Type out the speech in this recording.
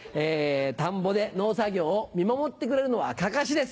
田んぼで農作業を見守ってくれるのはかかしです。